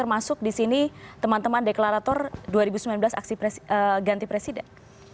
masuk di sini teman teman deklarator dua ribu sembilan belas aksi presiden